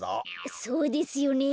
そうですよねえ。